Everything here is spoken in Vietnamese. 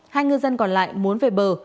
hai ngư dân còn lại muốn về bờ